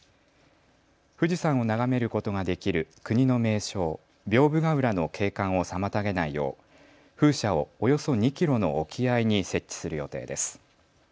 富士山を眺めることができる国の名勝、屏風ヶ浦の景観を妨げないよう風車をおよそ２キロの沖合に設置する予定です。